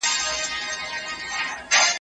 څېړونکی باید د کمزورې عقیدې خاوند نه وي.